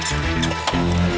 aku balik duluan ya